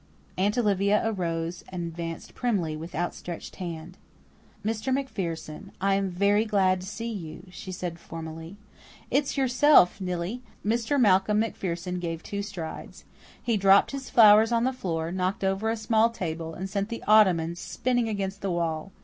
Aunt Olivia arose and advanced primly, with outstretched hand. "Mr. MacPherson, I am very glad to see you," she said formally. "It's yourself, Nillie!" Mr. Malcolm MacPherson gave two strides. He dropped his flowers on the floor, knocked over a small table, and sent the ottoman spinning against the wall.